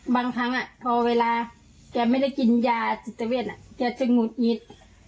บางครั้งพอเวลาแกไม่ได้กินยาจิตเวทแกจะหงุดหงิด